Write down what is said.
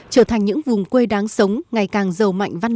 trở thành những vùng quê đáng sống ngày càng giàu mạnh văn hóa